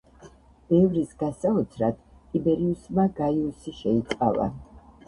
ბევრის გასაოცრად, ტიბერიუსმა გაიუსი შეიწყალა.